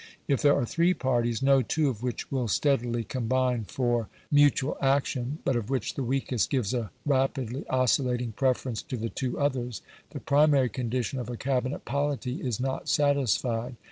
If there are three parties, no two of which will steadily combine for mutual action, but of which the weakest gives a rapidly oscillating preference to the two others, the primary condition of a Cabinet polity is not satisfied.